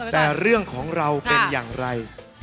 แต่เรื่องของเราเป็นอย่างไร